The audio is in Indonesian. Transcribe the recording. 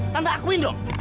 tante akuin dong